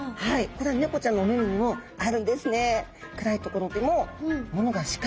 これはネコちゃんのお目々にもあるんですね。